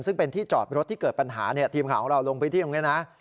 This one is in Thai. ซึ่งเป็นที่จอดรถที่เกิดปัญหาเนี่ยทีมข่าวของเราลงพื้นที่ตรงนี้นะ